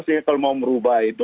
sih kalau mau merubah itu